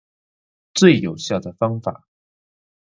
最有效的方法